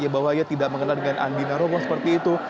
bahwa ia tidak mengenal dengan andi narowo seperti itu